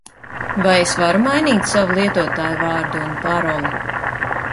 Vai es varu mainīt savu lietotājvārdu un paroli?